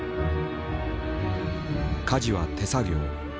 家事は手作業。